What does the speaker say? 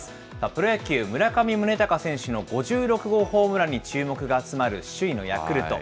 プロ野球、村上宗隆選手の５６号ホームランに注目が集まる首位のヤクルト。